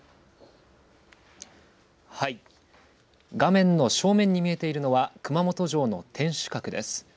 画面の正面に見えているのは、熊本城の天守閣です。